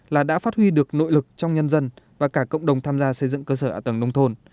là đã phát huy được nội lực trong nhân dân và cả cộng đồng tham gia xây dựng cơ sở ả tầng nông thôn